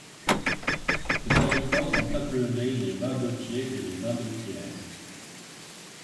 Ses habitants sont appelés les Vindotiers et les Vindotières.